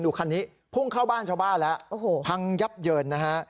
คันนี้พุ่งเข้าบ้านชาวบ้านแล้วโอ้โหพังยับเยินนะฮะ